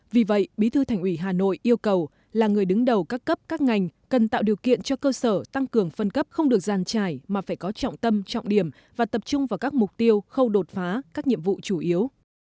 vì vậy bí thư thành ủy hà nội yêu cầu là người đứng đầu các cấp các ngành cần tạo điều kiện cho cơ sở tăng cường phân cấp không được giàn trải mà phải có trọng tâm trọng điểm và tập trung vào các mục tiêu khâu đột phá các nhiệm vụ chủ yếu